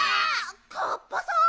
カッパさん？